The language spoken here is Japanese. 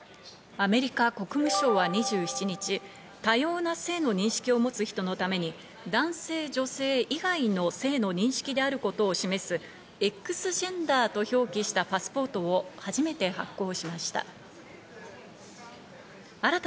アメリカ国務省は２７日、多様な性の認識を持つ人のために男性、女性以外の性の認識であることを示す、Ｘジェンダーと表記したパスポートを初めて発行しました。